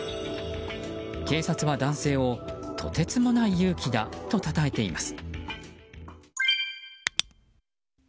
警察は男性を、とてつもない勇気だとたたえています。